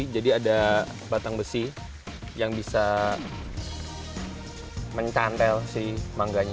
jadi ada batang besi yang bisa mencantel si mangga nya